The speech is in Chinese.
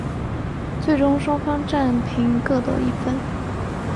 最终双方战平各得一分。